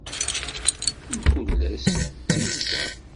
Mkul ass, d tiyita.